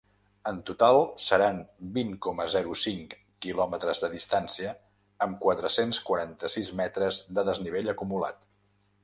En total seran vint coma zero cinc quilòmetres de distància, amb quatre-cents quaranta-sis m de desnivell acumulat.